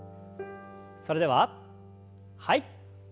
それでははい。